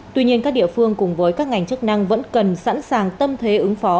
tuy nhiên các địa phương cùng với các ngành chức năng vẫn cần sẵn sàng tâm thế ứng phó